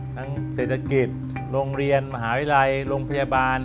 เศรษฐกิจโรงเรียนมหาวิทยาลัยโรงพยาบาล